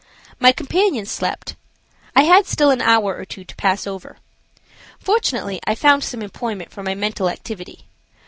My companion slept. I had still an hour or two to pass over. Fortunately I found some employment for my mental activity.